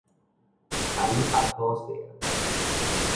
共你辦好勢矣